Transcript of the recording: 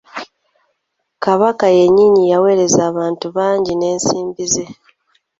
Kabaka yennyini yaweerera abantu bangi n'ensimbi ze.